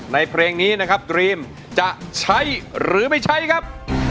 เพลงนี้นะครับตรีมจะใช้หรือไม่ใช้ครับ